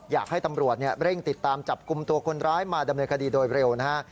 อยากให้ตำรวจเร่งติดตามจับกลุ่มตัวคนร้ายมาดำเนินคดีโดยเร็วนะฮะ